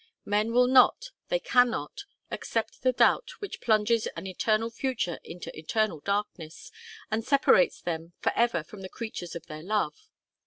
Men will not, they can not, accept the doubt which plunges an eternal future into eternal darkness, and separates them for ever from the creatures of their love.